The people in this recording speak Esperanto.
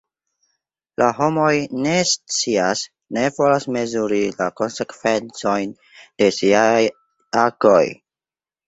La homoj ne scias, ne volas mezuri la konsekvencojn de siaj agoj.